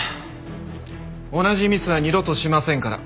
同じミスは二度としませんから。